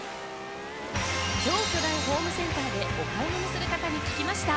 超巨大ホームセンターでお買い物する方に聞きました。